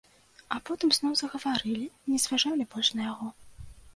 А потым зноў загаварылі, не зважалі больш на яго.